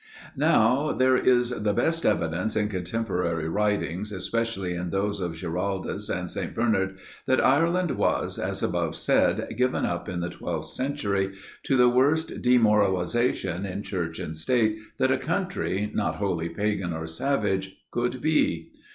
Now, there is the best evidence in cotemporary writings, especially in those of Giraldus and St. Bernard, that Ireland was, as above said, given up in the 12th century, to the worst demoralization in Church and State, that a country, not wholly pagan or savage, could be.